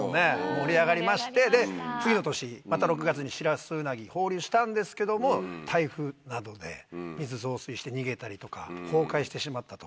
盛り上がりましてで次の年また６月にシラスウナギ放流したんですけども台風などで水増水して逃げたりとか崩壊してしまったと。